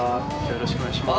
よろしくお願いします。